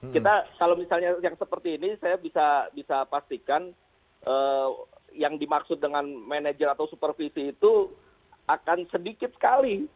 kita kalau misalnya yang seperti ini saya bisa pastikan yang dimaksud dengan manajer atau supervisi itu akan sedikit sekali